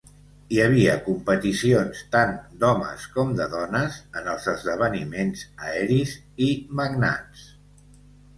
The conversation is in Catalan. Hi havia competicions tant d'homes com de dones en els esdeveniments "aeris" i "magnats".